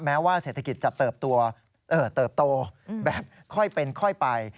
แม้ว่าเศรษฐกิจจะเติบโตแบบค่อยเป็นค่อยไป